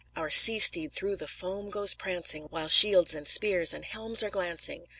Our sea steed through the foam goes prancing, While shields and spears and helms are glancing.